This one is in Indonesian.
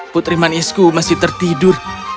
putri manisku masih tertidur